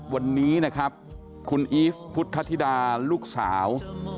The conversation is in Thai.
วันนี้นะครับคุณอีฟพุทธธิดาลูกสาว